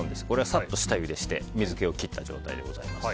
サッと下ゆでして水気を切った状態でございます。